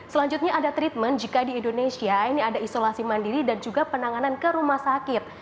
selanjutnya ada treatment jika di indonesia ini ada isolasi mandiri dan juga penanganan ke rumah sakit